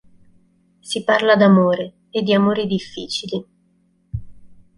Si parla d'amore, e di amori difficili.